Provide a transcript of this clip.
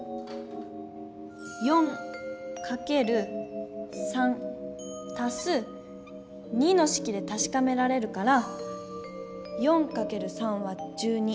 「４×３＋２」のしきでたしかめられるから４×３＝１２。